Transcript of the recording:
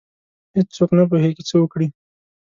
هیڅ څوک نه پوهیږي څه وکړي.